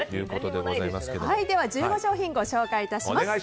では１５商品ご紹介いたします。